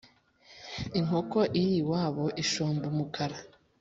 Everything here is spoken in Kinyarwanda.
Inkoko iriwabo ishomba umukara.